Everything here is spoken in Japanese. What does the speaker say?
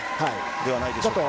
ではないでしょうか。